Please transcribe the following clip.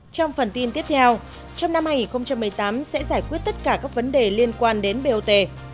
trong phần tin tiếp theo trong năm hai nghìn một mươi tám sẽ giải quyết tất cả các vấn đề liên quan đến bot